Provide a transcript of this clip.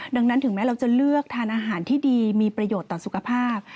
ดังนั้นถึงแม้เราจะเลือกทานอาหารที่ดีมีประโยชน์ต่อสุขภาพ